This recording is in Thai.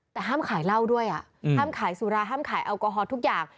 แต่ห้ามขายเหล้าด้วยห้ามขายสุราห้ามขายแอลกอฮอลทุกอย่าง